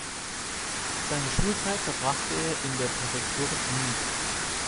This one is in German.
Seine Schulzeit verbrachte er in der Präfektur Mie.